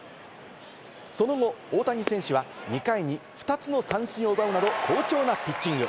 その後、大谷選手は２回に２つの三振を奪うなど好調なピッチング。